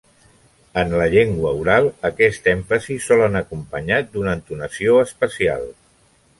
En la llengua oral, aquest èmfasi sol anar acompanyat d'una entonació especial.